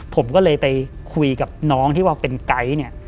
ผมก็เลยไปคุยกับน้องที่ว่าเป็นไก๊เนี่ย